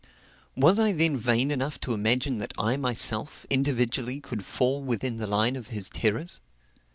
Was I then vain enough to imagine that I myself, individually, could fall within the line of his terrors?